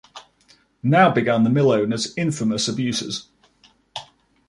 Now began the mill owners infamous abuses.